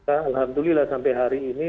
alhamdulillah sampai hari ini